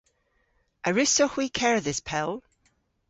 A wrussowgh hwi kerdhes pell?